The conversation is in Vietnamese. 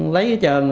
lấy hết trơn rồi